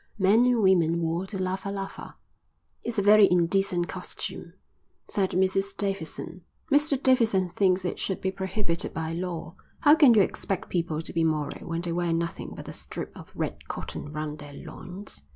Men and women wore the lava lava. "It's a very indecent costume," said Mrs Davidson. "Mr Davidson thinks it should be prohibited by law. How can you expect people to be moral when they wear nothing but a strip of red cotton round their loins?"